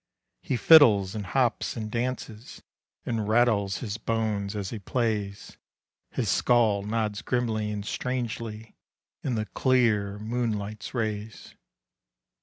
He fiddles, and hops and dances, And rattles his bones as he plays; His skull nods grimly and strangely, In the clear moonlight's rays.